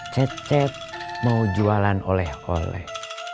cetek mau jualan oleh oleh